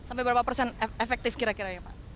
sampai berapa persen efektif kira kira ya pak